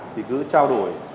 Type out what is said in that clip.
thì cứ trao đổi